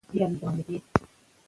اللهاکبر، اشهدان الاله االاهلل